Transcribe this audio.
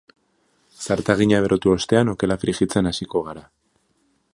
Zartagina berotu ostean okela frijitzen hasiko gara.